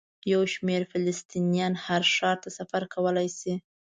یو شمېر فلسطینیان هر ښار ته سفر کولی شي.